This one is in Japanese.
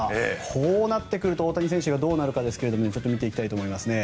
こうなってくると大谷選手がどうなるかですがちょっと見ていきたいと思います。